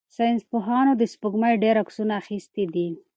ساینس پوهانو د سپوږمۍ ډېر عکسونه اخیستي دي.